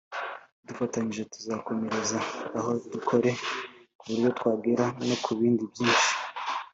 dufatanyije tuzakomereza aho dukore ku buryo twagera no ku bindi byinshi